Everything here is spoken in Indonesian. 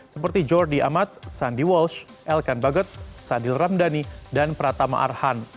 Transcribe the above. seperti jordi amat sandi walsh elkan baget sadil ramdhani dan pratama arhan